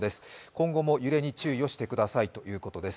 今後も揺れに注意をしてくださいということです。